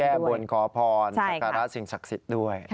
แก้บวนขอพรศักราชินศักดิ์สิทธิ์ด้วย